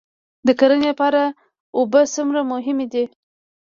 د کرنې لپاره اوبه څومره مهمې دي؟